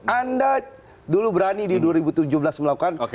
anda dulu berani di dua ribu tujuh belas melakukan